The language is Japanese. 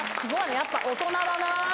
やっぱ大人だな。